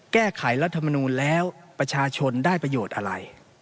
แก้ไขรัฐมนูลแล้วประชาชนได้ประโยชน์อะไร